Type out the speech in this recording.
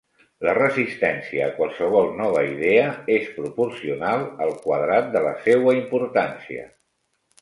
La resistència a qualsevol nova idea és proporcional al quadrat de la seua importància.